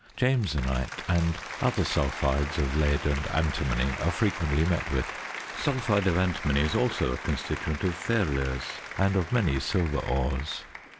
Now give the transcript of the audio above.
Jamesonite and other sulphides of lead and antimony are frequently met with. Sulphide of antimony is also a constituent of fahlerz and of many silver ores.